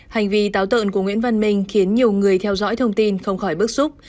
hành vi táo tợn của nguyễn văn minh khiến nhiều người theo dõi thông tin không khỏi bức xúc